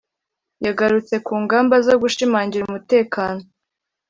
yagarutse ku ngamba zo gushimangira umutekano